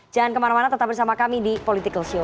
jangan kemana mana tetap bersama kami di political show